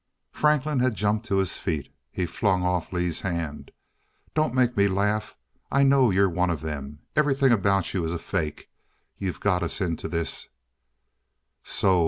Franklin had jumped to his feet. He flung off Lee's hand. "Don't make me laugh. I know you're one of them everything about you is a fake. You got us into this " "So?